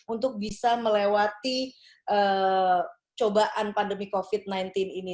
untuk bisa melewati cobaan pandemi covid sembilan belas ini